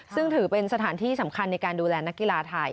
ซึ่งถือเป็นสถานที่สำคัญในการดูแลนักกีฬาไทย